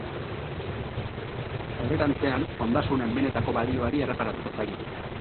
Aurrerantzean, ondasunen benetako balioari erreparatuko zaio.